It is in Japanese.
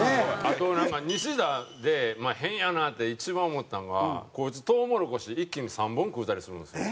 あとなんか西田で変やなって一番思ったのはこいつとうもろこし一気に３本食うたりするんですよ。